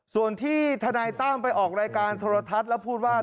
ส่วนที่ทนายตั้มไปออกรายการโทรทัศน์แล้วพูดว่า